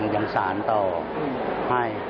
ยังสารต่อให้